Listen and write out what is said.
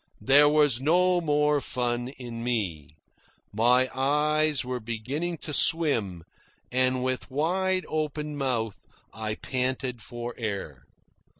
There was no more fun in me. My eyes were beginning to swim, and with wide open mouth I panted for air.